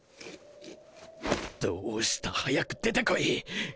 どうした早く出てこい。